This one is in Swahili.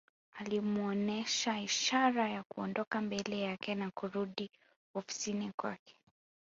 Alimuonesha ishara ya Kuondoka mbele yake na kurudi ofisini kwake